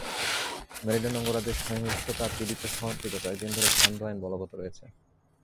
Maryland অঙ্গরাজ্যের সহিংসতাপীড়িত শহরটিতে কয়েক দিন ধরে সান্ধ্য আইন বলবৎ রয়েছে।